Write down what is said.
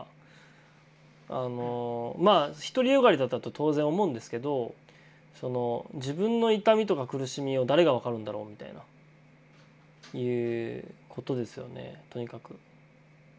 まあ独りよがりだったと当然思うんですけど自分の痛みとか苦しみを誰が分かるんだろうみたいないうことですよねとにかく。